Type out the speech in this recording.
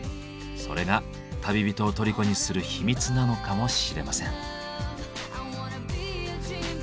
それが旅人を虜にする秘密なのかもしれません。